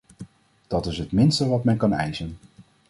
Dat is het minste wat men kan eisen.